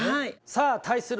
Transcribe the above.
さあ対する